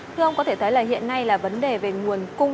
thưa ông có thể thấy là hiện nay là vấn đề về nguồn cung